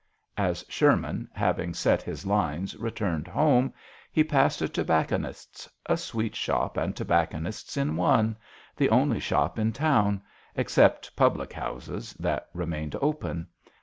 As Sherman, having set his lines, returned home, he passed a tobacconist's a sweet shop and tobacconist's in one the only shop in town, except public houses, that remained open.